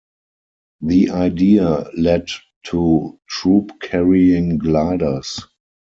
The idea led to troop-carrying gliders.